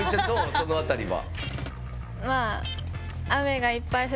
その辺りは。